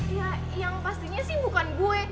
ya yang pastinya sih bukan gue